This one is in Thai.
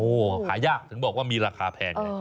ถูกต้องครับหายากถึงบอกว่ามีราคาแพง